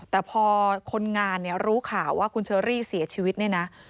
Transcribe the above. แต่พอคนงานเนี่ยรู้ข่าวว่าคุณเชอรี่เสียชีวิตเนี่ยนะ